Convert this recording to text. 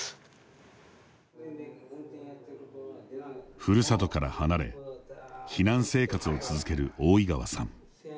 ふるさとから離れ避難生活を続ける大井川さん。